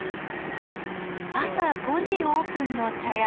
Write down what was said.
朝５時オープンの茶屋。